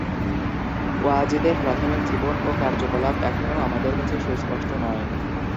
ওয়াজিদের প্রাথমিক জীবন ও কার্যকলাপ এখনও আমাদের কাছে সুস্পষ্ট নয়।